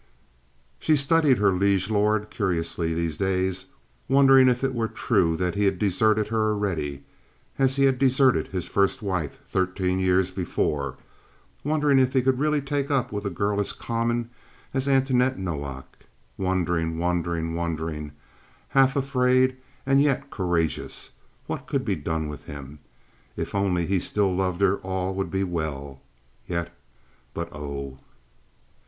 She studied her liege lord curiously these days, wondering if it were true that he had deserted her already, as he had deserted his first wife thirteen years before, wondering if he could really take up with a girl as common as Antoinette Nowak—wondering, wondering, wondering—half afraid and yet courageous. What could be done with him? If only he still loved her all would be well yet—but oh!